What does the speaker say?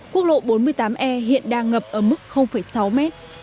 quốc lộ bốn mươi tám e hiện đang ngập ở mức sáu mét